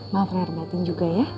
maaf lah herbatin juga ya